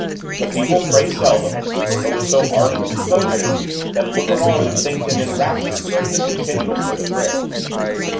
The people pray seldom, but with so ardent a devotion, that a looker on would think them enraptured during the continuance of the prayer.